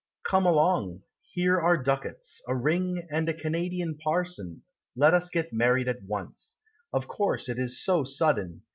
Come along, Here are ducats, A ring, And a Canadian parson, Let us get married at once. Of course it is so sudden.